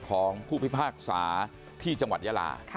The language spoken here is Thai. ของผู้พิพากษาที่จังหวัดยาลา